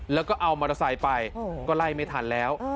แล้วก็เอามอเตอร์ไซค์ไปก็ไล่ไม่ทันแล้ว